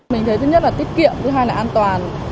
mình thấy thứ nhất là tiết kiệm thứ hai là an toàn